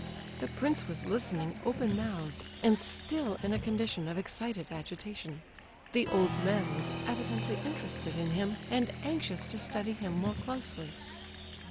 The prince was listening open mouthed, and still in a condition of excited agitation. The old man was evidently interested in him, and anxious to study him more closely.